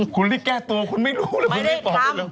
คุณได้แก้ตัวคุณไม่รู้หรือคุณไม่ตอบ